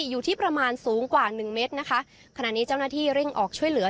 อยู่ที่ประมาณสูงกว่าหนึ่งเมตรนะคะขณะนี้เจ้าหน้าที่เร่งออกช่วยเหลือ